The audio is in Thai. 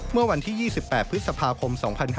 เมื่อวันที่๒๘พฤษภาคม๒๕๕๙